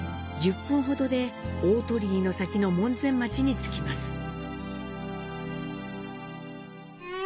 １０分ほどで大鳥居の先の門前町に着きます。